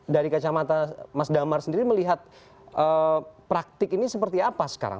dari kacamata mas damar sendiri melihat praktik ini seperti apa sekarang